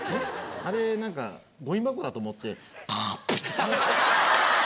あれなんかゴミ箱だと思ってカ！